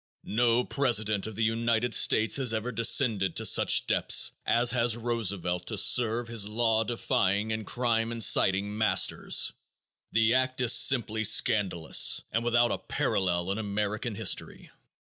No president of the United States has ever descended to such depths as has Roosevelt to serve his law defying and crime inciting masters. The act is simply scandalous and without a parallel in American history.